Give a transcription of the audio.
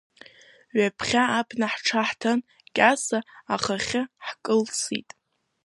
Ҩаԥхьа абна ҳҽаҳҭан, Кьаса ахахьы ҳкылсит.